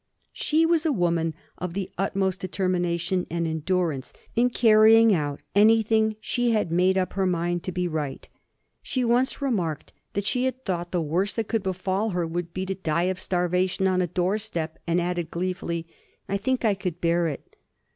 She was a woman of the utmost determination and endurance in carrying out anything she had made up her mind to be right. She once remarked that she had thought the worst that could befall her would be to die of starvation on a doorstep, and added gleefully, "I think I could bear it."